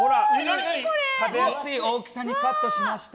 食べやすい大きさにカットしました。